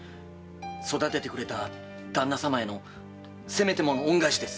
育ててくれた旦那様へのせめてもの恩返しです。